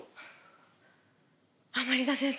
甘利田先生